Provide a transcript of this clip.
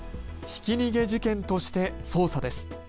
ひき逃げ事件として捜査です。